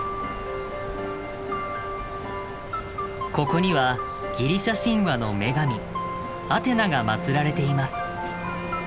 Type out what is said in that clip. ここにはギリシャ神話の女神アテナが祭られています。